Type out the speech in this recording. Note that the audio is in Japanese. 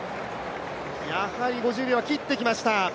やはり５０秒は切ってきました。